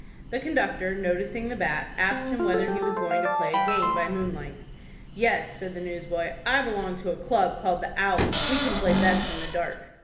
The conductor, noticing the bat, asked him whether he was going to play a game by moonlight. "Yes," said the newsboy. "I belong to a club called 'The Owls.' We can play best in the dark."